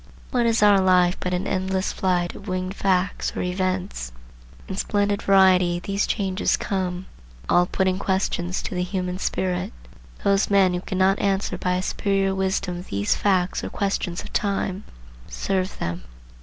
What is our life but an endless flight of winged facts or events? In splendid variety these changes come, all putting questions to the human spirit. Those men who cannot answer by a superior wisdom these facts or questions of time, serve them.